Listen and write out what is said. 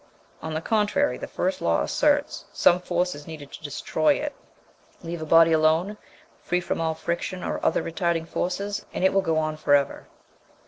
On the contrary, the first law asserts, some force is needed to destroy it. Leave a body alone, free from all friction or other retarding forces, and it will go on for ever.